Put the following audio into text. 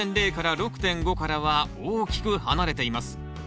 ｐＨ６．０６．５からは大きく離れています。